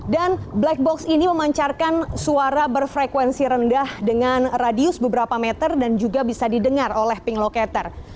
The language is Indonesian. dan black box ini memancarkan suara berfrekuensi rendah dengan radius beberapa meter dan juga bisa didengar oleh pink locator